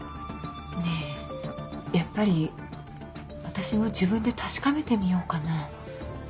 ねえやっぱり私も自分で確かめてみようかな？